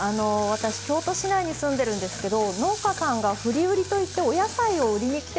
私京都市内に住んでるんですけど農家さんが「振り売り」といってお野菜を売りに来てくれるんですね。